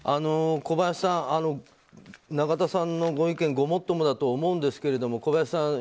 小林さん、永田さんのご意見ごもっともだと思うんですけど小林さん